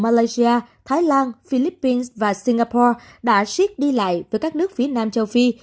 malaysia thái lan philippines và singapore đã siết đi lại với các nước phía nam châu phi